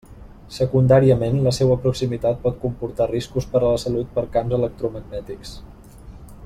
Secundàriament, la seua proximitat pot comportar riscos per a la salut per camps electromagnètics.